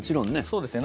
そうですね。